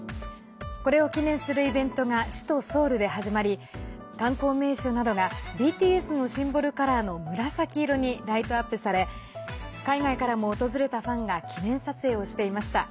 これを記念するイベントが首都ソウルで始まり観光名所などがＢＴＳのシンボルカラーの紫色にライトアップされ海外からも訪れたファンが記念撮影をしていました。